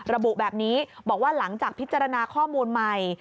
ระบุแบบนี้บอกว่าหลังจากพิจารณาข้อมูลใหม่